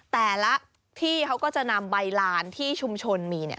แต่ละที่เขาก็จะนำใบลานที่ชุมชนมีเนี่ย